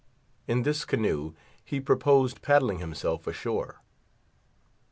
In this canoe he proposed paddling himself ashore.